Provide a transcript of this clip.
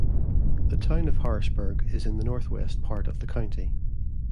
The Town of Harrisburg is in the northwest part of the county.